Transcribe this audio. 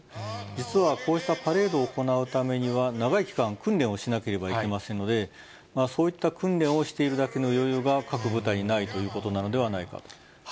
実はこうしたパレードを行うためには、長い期間、訓練をしなければいけませんので、そういった訓練をしているだけの余裕が各部隊にないということなのではないかと。